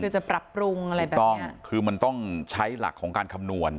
คือจะปรับปรุงอะไรแบบนี้ถูกต้องคือมันต้องใช้หลักของการคำนวณ